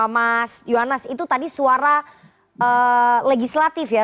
mas yohanas itu tadi suara legislatif ya